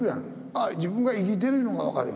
ああ自分が生きてるいうのが分かるやん。